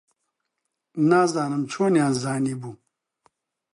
نازانم چۆنیان زانیبوو.